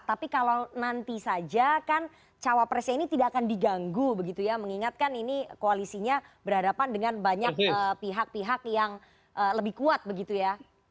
tapi kalau nanti saja kan cawapresnya ini tidak akan diganggu begitu ya mengingatkan ini koalisinya berhadapan dengan banyak pihak pihak yang lebih kuat begitu ya